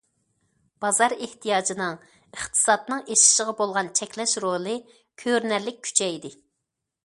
بازار ئېھتىياجىنىڭ ئىقتىسادنىڭ ئېشىشىغا بولغان چەكلەش رولى كۆرۈنەرلىك كۈچەيدى.